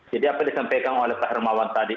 jadi apa yang disampaikan oleh pak hermawan tadi